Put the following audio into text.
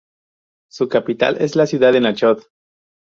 Su capital es la ciudad de Náchod.